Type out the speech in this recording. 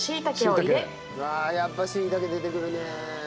わあ！やっぱしいたけ出てくるね。